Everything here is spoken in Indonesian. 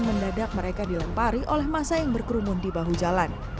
mendadak mereka dilempari oleh masa yang berkerumun di bahu jalan